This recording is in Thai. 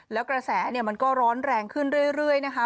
แล้วกระแสเนี่ยมันก็ร้อนแรงขึ้นเรื่อยนะคะ